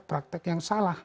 praktek yang salah